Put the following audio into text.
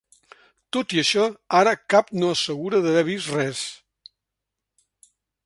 Tot i això, ara cap no assegura d’haver vist res.